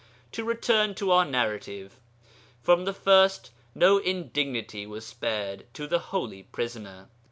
To return to our narrative. From the first no indignity was spared to the holy prisoner.